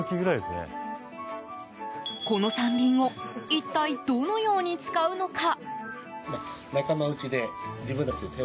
この山林を一体どのように使うのか。